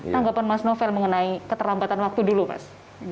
tanggapan mas novel mengenai keterlambatan waktu dulu mas